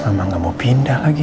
emang gak mau pindah lagi